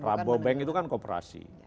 prabowo bank itu kan kooperasi